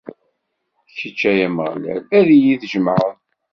Kečč, ay Ameɣlal, ad iyi-tjemɛeḍ.